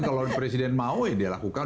kalau presiden mau ya dia lakukan